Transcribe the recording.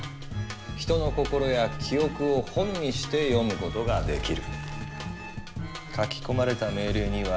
人の心や記憶を「本」にして読むことができる。